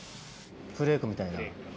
フレークみたいな。